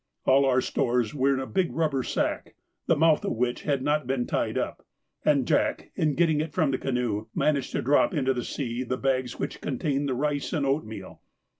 All our stores were in a big rubber sack, the mouth of which had not been tied up, and Jack, in getting it from the canoe, managed to drop into the sea the bags which contained the rice and oatmeal.